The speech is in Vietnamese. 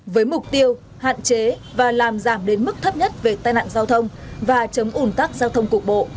với mục tiêu hạn chế và làm giảm đến mức thấp nhất về tai nạn giao thông và chống ủn tắc giao thông cục bộ